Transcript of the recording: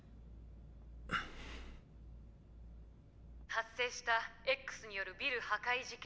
「発生した“Ｘ”によるビル破壊事件。